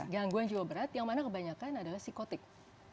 gangguan jiwa berat yang mana kebanyakan adalah psikotik